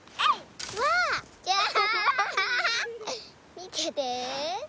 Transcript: みてて。